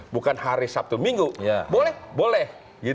bukan hari sabtu minggu boleh boleh